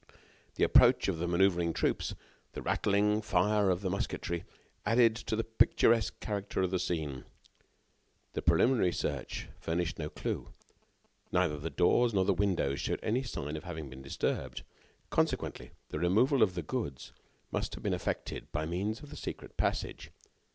The approach of the maneuvering troops, the rattling fire of the musketry, added to the picturesque character of the scene. The preliminary search furnished no clue. Neither the doors nor windows showed any signs of having been disturbed. Consequently, the removal of the goods must have been effected by means of the secret passage.